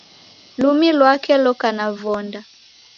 Lumi lwake loka na vonda